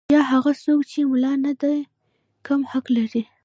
یا هغه څوک چې ملا نه دی کم حق لري.